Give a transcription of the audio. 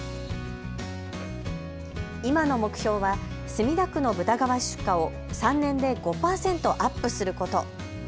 今の目標は墨田区の豚革出荷を３年で５％アップすること。